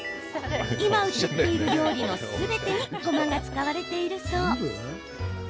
今、映っている料理のすべてにごまが使われているそう。